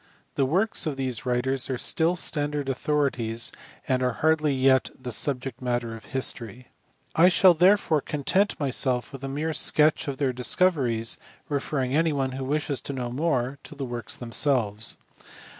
The works of these writers are still standard authorities and are hardly yet the subject matter of history. I shall therefore content myself with a mere sketch of their chief discoveries, referring anyone who wishes to know more to the works themselves.